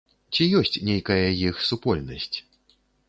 Ці ёсць нейкая іх супольнасць?